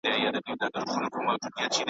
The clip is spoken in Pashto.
خو یو عیب چي یې درلود ډېره غپا وه .